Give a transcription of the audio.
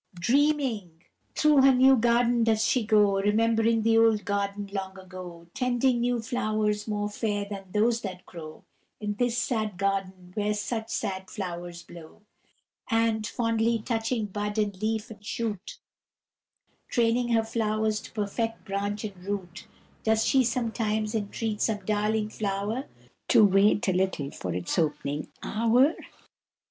Dreaming through her new garden does she go, Remembering the old garden, long ago, Tending new flowers more fair than those that grow In this sad garden where such sad flowers blow; And, fondly touching bud and leaf and shoot, Training her flowers to perfect branch and root, Does she sometimes entreat some darling flower To wait a little for its opening hour?